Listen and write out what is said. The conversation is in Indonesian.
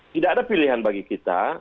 tidak ada pilihan bagi kita